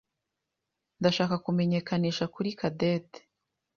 Ndashaka kumenyekanisha kuri Cadette.